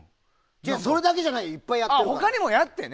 それだけじゃないよいっぱいやってるから。